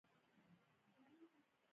د یتیمانو نه پالل بې انصافي ده.